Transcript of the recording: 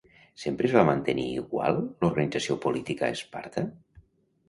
Sempre es va mantenir igual l'organització política a Esparta?